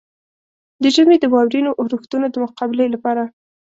د ژمي د واورينو اورښتونو د مقابلې لپاره.